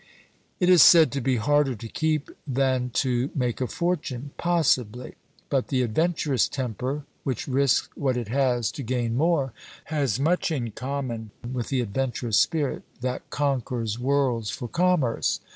It is said to be harder to keep than to make a fortune. Possibly; but the adventurous temper, which risks what it has to gain more, has much in common with the adventurous spirit that conquers worlds for commerce.